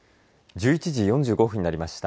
１１時４５分になりました。